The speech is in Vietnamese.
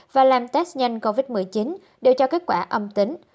và làm test nhanh covid một mươi chín đều cho kết quả âm tính